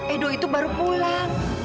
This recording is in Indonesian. edo itu baru pulang